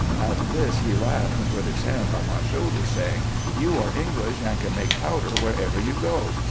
At this he laughed, and put his hand on my shoulder, saying, " You are English, and can make powder wherever you go."